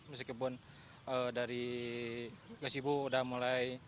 masih kebun dari gasi bu udah mulai